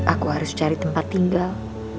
aku harus cari tempat tinggal